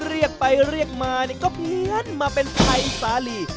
เรียกไปเรียกมาก็เพี้ยนมาเป็นภัยสาลี